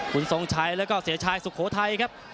คุณทรงชัยแล้วก็เสียชายสุโขทัยครับ